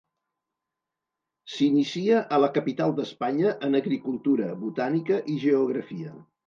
S'inicia a la capital d'Espanya en agricultura, botànica i geografia.